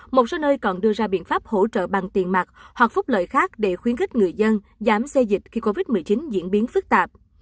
một số nơi còn đưa ra biện pháp hỗ trợ bằng tiền mặt hoặc phúc lợi khác để khuyến khích người dân giảm xây dịch khi covid một mươi chín diễn biến phức tạp